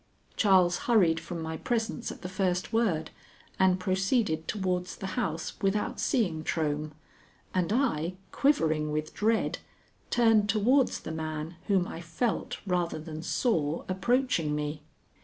Charles hurried from my presence at the first word, and proceeded towards the house without seeing Trohm, and I, quivering with dread, turned towards the man whom I felt, rather than saw, approaching me.